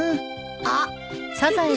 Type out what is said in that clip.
あっ。